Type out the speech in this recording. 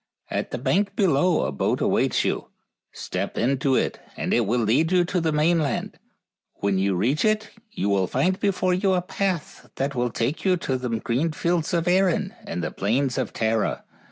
At the bank below a boat awaits you. Step into it and it will lead you to the mainland, and when you reach it you will find before you a path that will take you to the green fields of Erin and the plains of Tara.